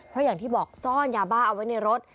เพราะอย่างที่บอกซ่อนยาบ้าเอาไว้ในรถ